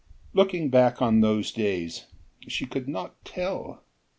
Looking back on those days, she could not tell.